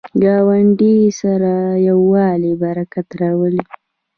ګاونډي سره یووالی، برکت راولي